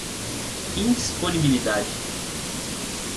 indisponibilidade